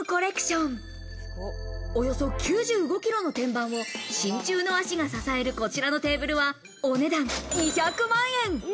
およそ９５キロの天板を真鍮の足が支えるこちらのテーブルはお値段２００万円。